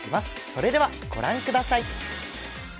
それでは御覧ください。